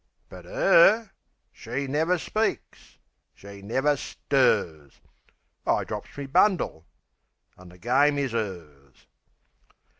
But 'er she never speaks; she never stirs... I drops me bundle...An' the game is 'ers.